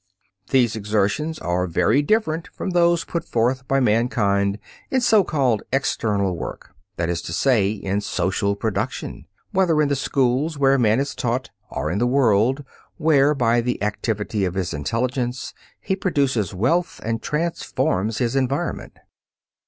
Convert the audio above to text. These exertions are very different from those put forth by mankind in so called external work, that is to say, in "social production," whether in the schools where man is taught, or in the world where, by the activity of his intelligence, he produces wealth and transforms his environment.